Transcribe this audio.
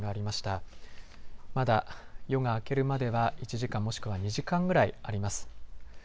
まだ夜が明けるまでは１時間、もしくは２時間ぐらいあります。